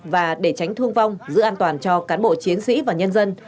và để tránh thương vong giữ an toàn cho cán bộ chiến sĩ và nhân dân